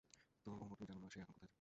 তো, অমর, তুমি জানো না সে এখন কোথায় আছে?